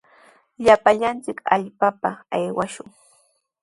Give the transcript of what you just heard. Llapallanchik hallpapa aywashun.